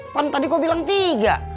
waktu tadi kau bilang tiga